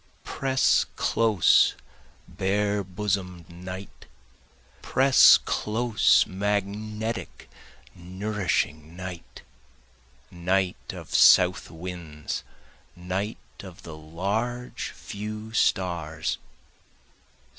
Press close bare bosom'd night press close magnetic nourishing night! Night of south winds night of the large few stars!